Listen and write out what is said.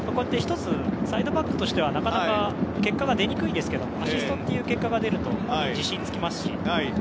１つサイドバックとしてはなかなか結果が出にくいですけどアシストっていう結果が出ると自信がつきますし。